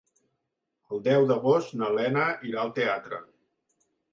El deu d'agost na Lena irà al teatre.